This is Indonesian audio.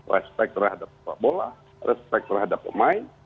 respek terhadap bola respek terhadap pemain